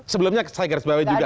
sebelumnya saya garis bawah juga